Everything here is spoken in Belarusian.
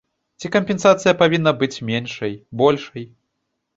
Ці кампенсацыя павінна быць меншай, большай?